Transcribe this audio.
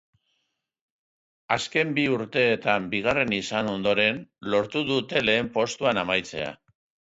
Azken bi urteetan bigarren izan ondoren lortu dute lehen postuan amaitzea.